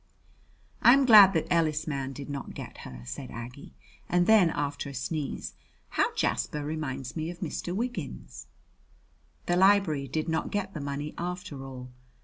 "I'm glad the Ellis man did not get her," said Aggie. And then, after a sneeze, "How Jasper reminds me of Mr. Wiggins." The library did not get the money after all.